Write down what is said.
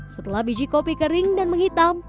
setelah biji kopi kering dan menghitam